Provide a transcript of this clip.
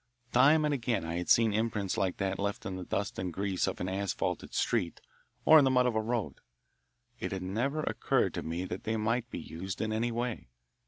Time and again I had seen imprints like that left in the dust and grease of an asphalted street or the mud of a road. It had never occurred to me that they might be used in any way.